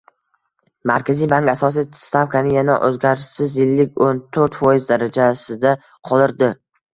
Markaziy bank asosiy stavkani yana o‘zgarishsiz — yilliko´n to´rtfoiz darajasida qoldirdi